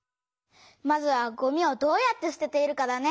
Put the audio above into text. まずはごみをどうやってすてているかだね。